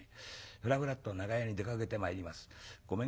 ふらふらっと長屋に出かけてまいります。